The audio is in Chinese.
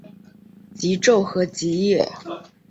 极昼和极夜。